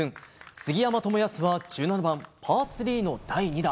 杉山知靖は１７番、パー３の第２打。